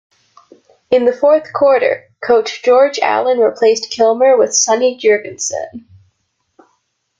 In the fourth quarter, coach George Allen replaced Kilmer with Sonny Jurgensen.